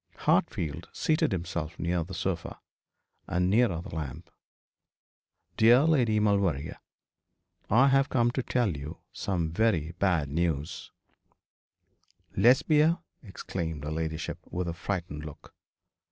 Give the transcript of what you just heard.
Hartfield seated himself nearer the sofa, and nearer the lamp. 'Dear Lady Maulevrier, I have come to tell you some very bad news ' 'Lesbia?' exclaimed her ladyship, with a frightened look.